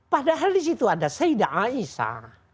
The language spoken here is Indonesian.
padahal disitu ada saidah a'isa